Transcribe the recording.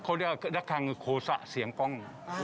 เขาเรียกว่าห้าครั้งโฆษะเสียงก้อง